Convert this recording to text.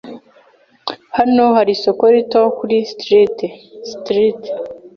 Hano hari isoko rito kuri Street Street.